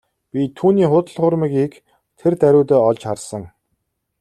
Би түүний худал хуурмагийг тэр даруйдаа олж харсан.